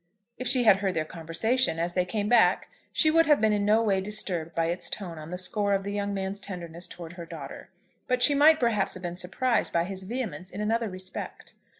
If she had heard their conversation as they came back she would have been in no way disturbed by its tone on the score of the young man's tenderness towards her daughter, but she might perhaps have been surprised by his vehemence in another respect.